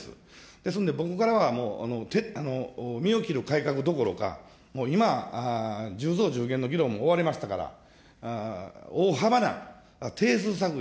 ですので、僕からはもう、身を切る改革どころが、もう今、１０増１０減の議論も終わりましたから、大幅な定数削減。